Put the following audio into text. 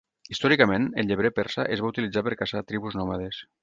Històricament, el llebrer persa es va utilitzar per caçar tribus nòmades.